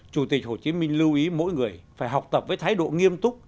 chủ tịch hồ chí minh lưu ý mỗi người phải học tập với thái độ nghiêm túc